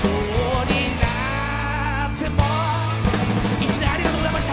１年ありがとうございました。